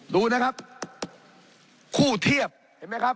ดูนะครับคู่เทียบเห็นไหมครับ